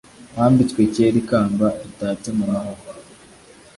Wambitswe ker' ikamba Ritatse mu mahwa